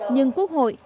nhưng quốc hội